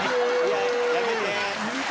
やめて！